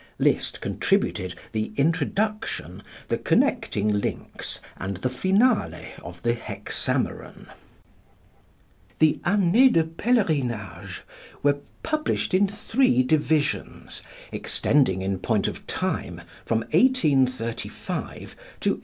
Liszt contributed the introduction, the connecting links and the finale of the "Hexameron." The "Années de Pèlerinage" were published in three divisions, extending in point of time from 1835 to 1883.